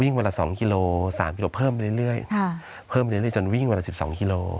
วิ่งเวลาสองกิโลสามกิโลเพิ่มเรื่อยเรื่อยค่ะเพิ่มเรื่อยเรื่อยจนวิ่งเวลาสิบสองกิโล